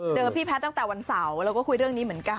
พี่แพทย์ตั้งแต่วันเสาร์เราก็คุยเรื่องนี้เหมือนกัน